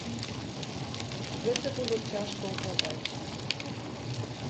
Гэта было цяжка ўгадаць.